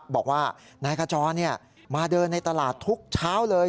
บอกว่านายขจรมาเดินในตลาดทุกเช้าเลย